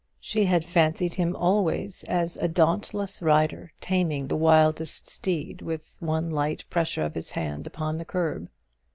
She had fancied him always as a dauntless rider, taming the wildest steed with one light pressure of his hand upon the curb.